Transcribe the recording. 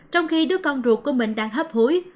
trong khi đứa con ruột của mình đang hấp hối